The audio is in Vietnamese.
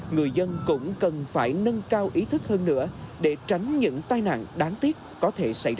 người dân cũng cần phải nâng cao ý thức hơn nữa để tránh những tai nạn đáng tiếc có thể xảy ra